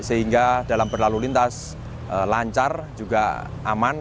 sehingga dalam berlalu lintas lancar juga aman